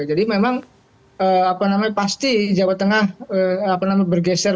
jadi memang pasti jawa tengah bergeser